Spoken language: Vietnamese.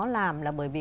làm là bởi vì